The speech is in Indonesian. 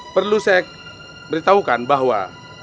perlu saya beritahukan bahwa